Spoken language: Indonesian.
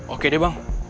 oke deh bang